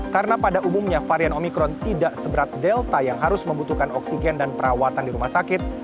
karena pada umumnya varian omikron tidak seberat delta yang harus membutuhkan oksigen dan perawatan di rumah sakit